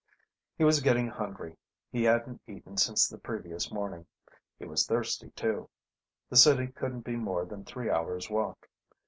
He was getting hungry. He hadn't eaten since the previous morning. He was thirsty too. The city couldn't be more than three hours' walk.